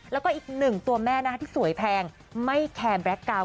แล้วก็อีกหนึ่งตัวแม่ที่สวยแพงไม่แคร์แบล็คกาวน